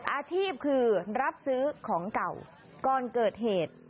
อาชีพคือรับซื้อของเก่าก่อนเกิดเหตุ